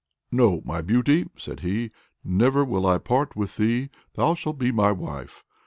"No; my beauty!" said he, "never will I part with thee; thou shalt be my wife."